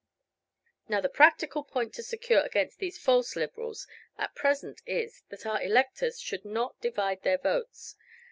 Now the practical point to secure against these false Liberals at present is, that our electors should not divide their votes.